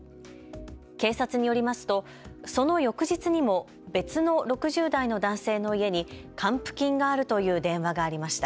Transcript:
警察によりますと、その翌日にも別の６０代の男性の家に還付金があるという電話がありました。